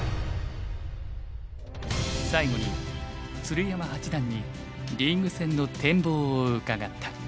最後に鶴山八段にリーグ戦の展望を伺った。